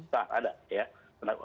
tak ada ya